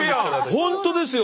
本当ですよ。